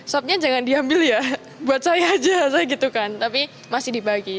sopnya jangan diambil ya buat saya aja saya gitu kan tapi masih dibagi